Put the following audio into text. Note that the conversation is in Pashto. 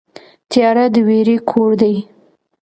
تیاره د وېرې کور دی.